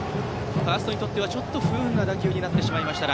ファーストにとってはちょっと不運な打球になってしまいました。